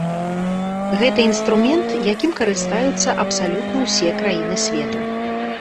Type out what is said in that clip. Гэта інструмент, якім карыстаюцца абсалютна ўсе краіны свету.